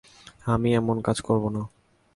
আমি এমন কাজ করবো না।